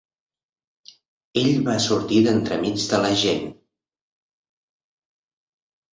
Ell va sortir d'entremig de la gent.